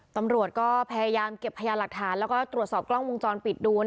ตำรวจก็พยายามเก็บพยานหลักฐานแล้วก็ตรวจสอบกล้องวงจรปิดดู